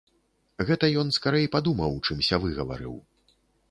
Гэта ён скарэй падумаў, чымся выгаварыў.